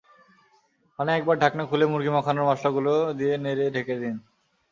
মাঝে একবার ঢাকনা খুলে মুরগি মাখানোর মসলাগুলো দিয়ে নেড়ে ঢেকে দিন।